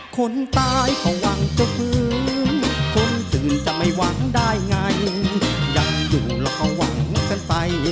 คนตายเขาว่าผิดคุณถึงจะไม่วางได้ไงยังอยู่แล้วเขาหวังกันไป